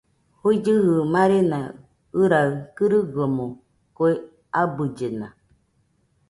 Juigɨjɨ marena ɨraɨ kɨrɨgaɨmo, kue abɨllena